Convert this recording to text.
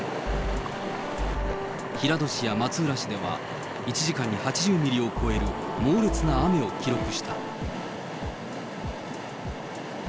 平戸市や松浦市では、１時間に８０ミリを超える猛烈な雨を記録した。